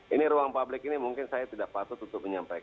ini ruang publik ini mungkin saya tidak patut untuk menyampaikan